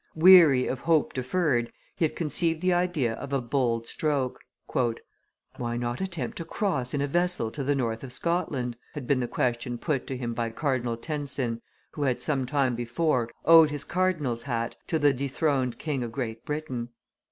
Weary of hope deferred, he had conceived the idea of a bold stroke. "Why not attempt to cross in a vessel to the north of Scotland?" had been the question put to him by Cardinal Tencin, who had, some time before, owed his cardinal's hat to the dethroned King of Great Britain.